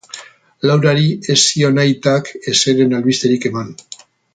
Laurari ez zion aitak ezeren albisterik eman.